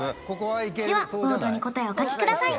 ではボードに答えをお書きください